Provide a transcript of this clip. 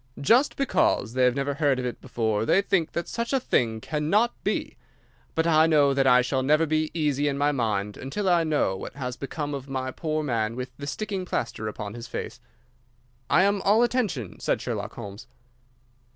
"Just because they have never heard of it before, they think that such a thing cannot be. But I know that I shall never be easy in my mind until I know what has become of my poor man with the sticking plaster upon his face." "I am all attention," said Sherlock Holmes.